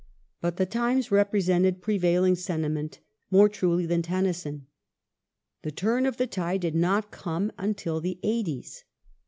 But The Times repre sented prevailing sentiment more truly than Tennyson. The turn of the tide did not come until the 'eighties.